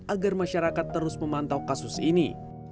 agar masyarakat terus memantau kasus ini